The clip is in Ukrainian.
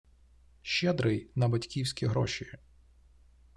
Щедрий на батьківські гроші.